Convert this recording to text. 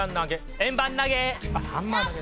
円盤投げ。